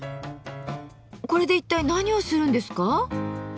これで一体何をするんですか？